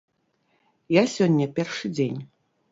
Я сёння першы дзень.